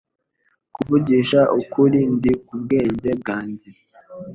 Kuvugisha ukuri, ndi ku bwenge bwanjye.